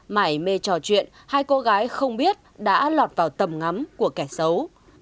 mải mê trò chuyện hai cô gái không biết đã lọt vào tầm ngắm của kẻ xấu